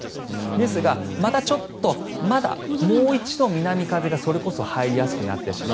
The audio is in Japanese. ですが、またちょっとまだもう一度、南風がそれこそ入りやすくなってしまう。